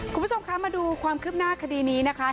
คุณผู้ชมคะมาดูความคืบหน้าคดีนี้นะคะ